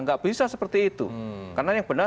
nggak bisa seperti itu karena yang benar